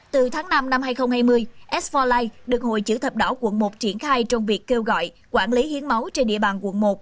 từ tháng năm năm hai nghìn hai mươi s bốn life được hội chữ thập đảo quận một triển khai trong việc kêu gọi quản lý hiến máu trên địa bàn quận một